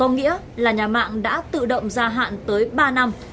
có nghĩa là nhà mạng đã tự động gia hạn tới ba năm